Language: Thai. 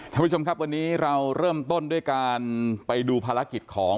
ท่านผู้ชมครับวันนี้เราเริ่มต้นด้วยการไปดูภารกิจของ